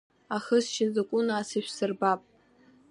Ахысшьа закәу нас ишәсырбап…